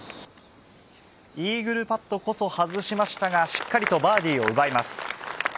イーグルパットこそ外しましたが、しっかりとバーディーを奪います。